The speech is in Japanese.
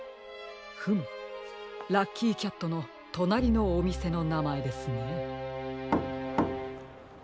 フムラッキーキャットのとなりのおみせのなまえですね。